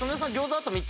あと３つ？